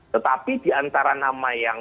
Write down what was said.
tetapi diantara nama yang